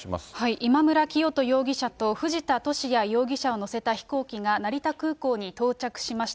今村磨人容疑者と藤田聖也容疑者を乗せた飛行機が成田空港に到着しました。